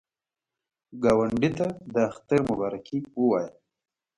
ګاونډي ته د اختر مبارکي ووایه